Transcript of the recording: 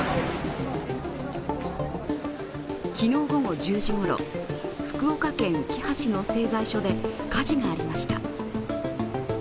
昨日午後１０時ごろ、福岡県うきは市の製材所で火事がありました。